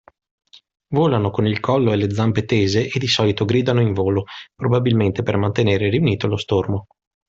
Volano con il collo e le zampe tese e di solito gridano in volo, probabilmente per mantenere riunito lo stormo.